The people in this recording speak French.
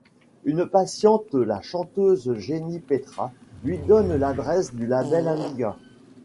Une patiente, la chanteuse Jenny Petra, lui donne l'adresse du label Amiga.